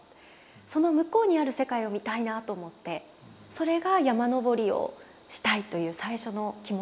その向こうにある世界を見たいなと思ってそれが山登りをしたいという最初の気持ちでしたね。